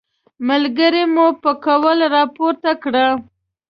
ملګري مې پکول راپورته کړ.